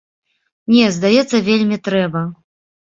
Не, здаецца, вельмі трэба.